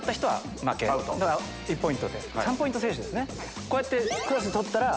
だから１ポイントで３ポイント先取ですね。